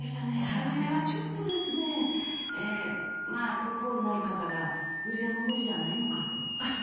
初めはちょっと国王になる方がウィリアム王子じゃないのかと。